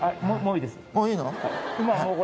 もういいの？